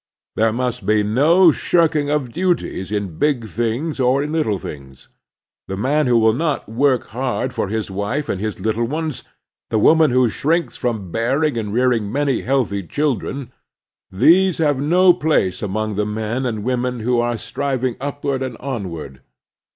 There must be no shirking of duties in big things or in little things. The man who will not work hard for his wife and his little ones, the woman who shrinks from bearing and rearing many healthy children, these have no place among the men and women who are striving upward and onward.